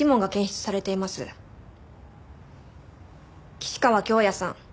岸川恭弥さん